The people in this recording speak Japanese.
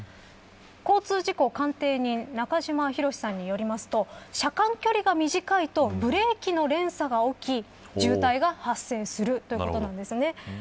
交通事故鑑定人中島博史さんによりますと車間距離が短いとブレーキの連鎖が起き渋滞が発生するということなんです。